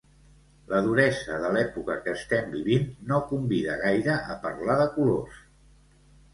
La duresa de l'època que estem vivint no convida gaire a parlar de colors.